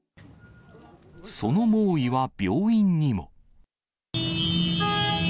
その猛威は病院にも。